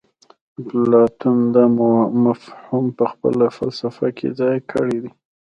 اپلاتون دا مفهوم په خپله فلسفه کې ځای کړی دی